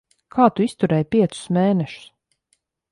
Kā tu izturēji piecus mēnešus?